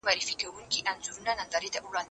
زه لیکل کړي دي،